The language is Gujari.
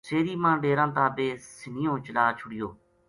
سیری ما ڈیراں تا بے سِنہیو چلا چھُڑیو